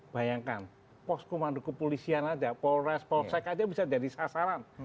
bayangkan poskomandu kepolisian saja polres polsek saja bisa jadi sasaran